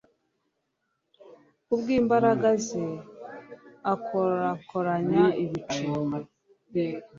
ku bw'imbaraga ze, akorakoranya ibicu